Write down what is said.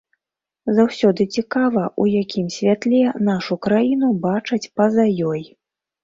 Заўсёды цікава, у якім святле нашу краіну бачаць па-за ёй.